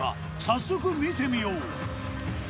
早速見てみよう。